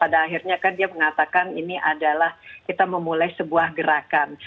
pada akhirnya kan dia mengatakan ini adalah kita memulai sebuah gerakan